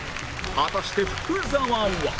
果たして福澤は